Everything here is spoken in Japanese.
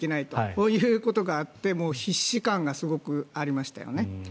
こういうことがあって必死感がすごくありましたよね。